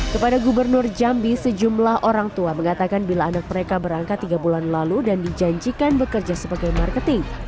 kepada gubernur jambi sejumlah orang tua mengatakan bila anak mereka berangkat tiga bulan lalu dan dijanjikan bekerja sebagai marketing